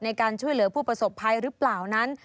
ในการช่วยเหลือผู้ประสบภัยหรือเปล่านั้น